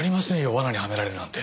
罠にはめられるなんて。